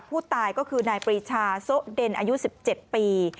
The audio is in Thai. ผู้ตายก็คือนายปรีชาโซะเด็นอายุ๑๗ปี